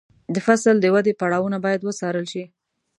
د فصل د ودې پړاوونه باید وڅارل شي.